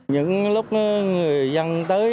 những lúc người dân tới